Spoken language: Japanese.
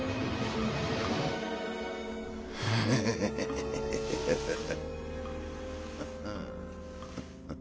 ウハハハハハ。